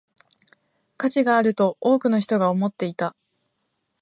価値があると多くの人が思っていた